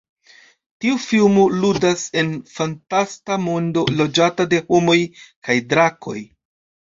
Tiu filmo ludas en fantasta mondo loĝata de homoj kaj drakoj.